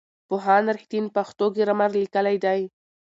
پوهاند رښتین پښتو ګرامر لیکلی دی.